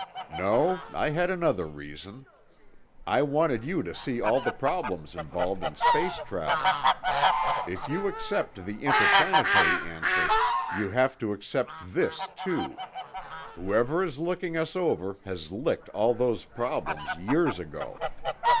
"No, I had another reason. I wanted you to see all the problems involved in space travel. If you accept the interplanetary answer, you have to accept this, too—whoever is looking us over has licked all those problems years ago.